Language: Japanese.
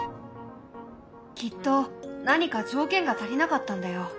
きっと何か条件が足りなかったんだよ。